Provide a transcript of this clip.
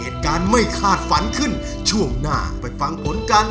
นักสู้ชิงล้าน